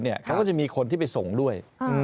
เขาก็จะมีคนที่ไปส่งด้วย